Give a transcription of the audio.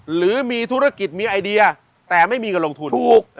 หรือมีธุรกิจมีไอเดียแต่ไม่มีเงินลงทุนถูก